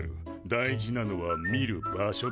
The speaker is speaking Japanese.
大事なのは見る場所だ。